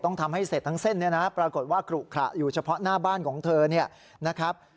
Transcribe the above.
ต้องทำให้เสร็จทั้งเส้นเนี่ยนะปรากฏว่าขลุขระอยู่เฉพาะหน้าบ้านของเธอเนี่ยนะครับ